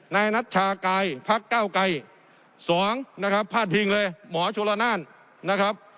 นายนัชชากายพักเก้าไกร๒นะครับพาดพิงเลยหมอโชลนานนะครับ